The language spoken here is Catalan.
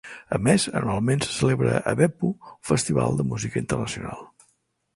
A més anualment se celebra a Beppu un festival de música internacional.